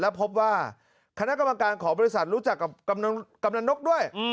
แล้วพบว่าคณะกำลังการของบริษัทรู้จักกำลังนกด้วย